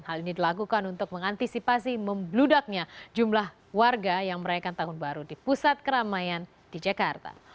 hal ini dilakukan untuk mengantisipasi membludaknya jumlah warga yang merayakan tahun baru di pusat keramaian di jakarta